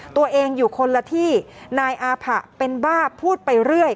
ตัวเองอยู่คนละที่นายอาผะเป็นบ้าพูดไปเรื่อย